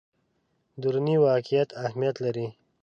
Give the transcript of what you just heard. دروني واقعیت اهمیت لري.